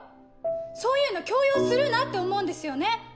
そういうの強要するなって思うんですよね。